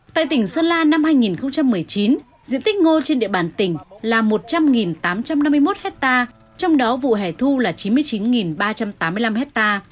tại tỉnh sơn la năm hai nghìn một mươi chín diện tích ngô trên địa bàn tỉnh là một trăm linh tám trăm năm mươi một hectare trong đó vụ hẻ thu là chín mươi chín ba trăm tám mươi năm ha